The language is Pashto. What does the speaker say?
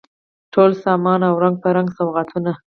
ټول سامان او رنګ په رنګ سوغاتونه